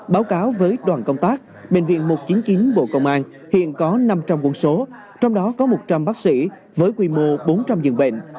báo cáo với đoàn công tác bệnh viện một trăm chín mươi chín bộ công an hiện có năm trăm linh quân số trong đó có một trăm linh bác sĩ với quy mô bốn trăm linh giường bệnh